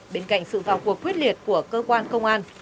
bên cạnh sự vào cuộc quyết liệt của cơ quan công an